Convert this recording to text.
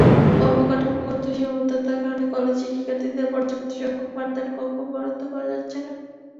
অবকাঠামোগত সীমাবদ্ধতার কারণে কলেজের শিক্ষার্থীদের পর্যাপ্তসংখ্যক পাঠদান কক্ষ বরাদ্দ করা যাচ্ছে না।